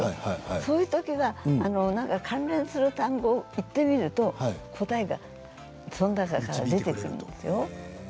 そういうときは何か関連する単語を言ってみると答えがその中から出てくるんですよ。